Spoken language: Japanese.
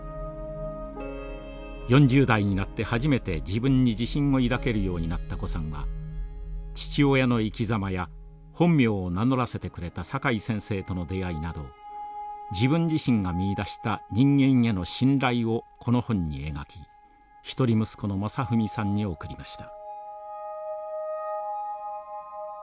４０代になって初めて自分に自信を抱けるようになった高さんは父親の生きざまや本名を名乗らせてくれた阪井先生との出会いなど自分自身が見いだした人間への信頼をこの本に描き一人息子の真史さんに贈りました。